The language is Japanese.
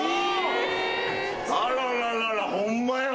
あらららら！ホンマやわ。